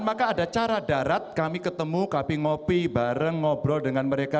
maka ada cara darat kami ketemu kami ngopi bareng ngobrol dengan mereka